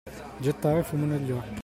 Gettare fumo negli occhi.